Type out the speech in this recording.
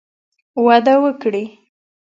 وده وکړي